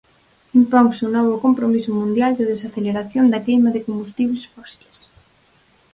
Imponse un novo compromiso mundial de desaceleración da queima de combustibles fósiles.